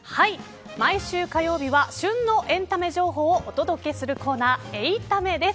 毎週火曜日は旬のエンタメ情報をお届けするコーナー８タメです。